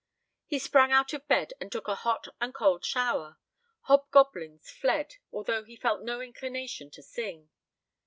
He sprang out of bed and took a hot and cold shower; hobgoblins fled, although he felt no inclination to sing!